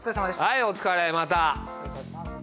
はいおつかれまた。